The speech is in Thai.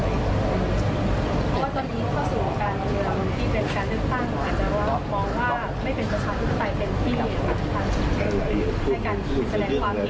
ในการแสดงความเงิน